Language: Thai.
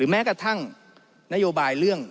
แม้กระทั่งนโยบายเรื่อง